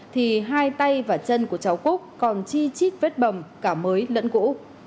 thì hai tay và chân của cháu cúc còn chi chít vết bầm cả mới lẫn cũ